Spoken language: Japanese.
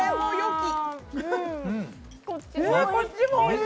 こっちもおいしい！